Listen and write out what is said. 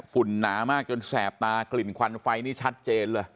หนามากจนแสบตากลิ่นควันไฟนี่ชัดเจนเลย